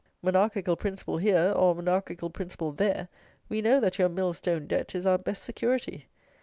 'Monarchical principle' here, or 'monarchical principle' there, we know that your mill stone debt is our best security.